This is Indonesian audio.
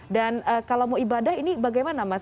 dan kalau mau ibadah ini bagaimana mas